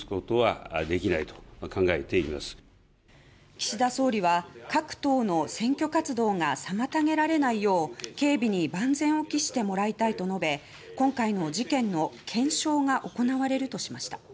岸田総理は各党の選挙活動が妨げられないよう警備に万全を期してもらいたいと述べ今回の事件の検証が行われるとしました。